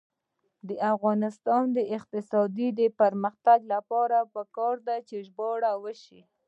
د افغانستان د اقتصادي پرمختګ لپاره پکار ده چې ژباړه وشي.